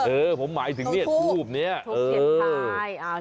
เออผมหมายถึงรูปนี้ถูกเห็นภาย